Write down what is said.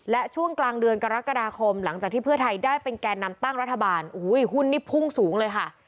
และช่วงกลางเดือนกรกฎาคมหลังจากที่เพื่อไทยได้เป็นแก่นำตั้งรัฐบาลหุ้นนี่พุ่งสูงเลยค่ะ